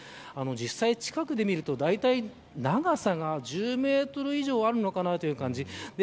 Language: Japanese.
実際に近くで見ると、だいたい長さが１０メートル以上あるのかなという感じ。